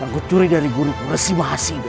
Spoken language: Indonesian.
yang kucuri dari guru kursi mahasiswa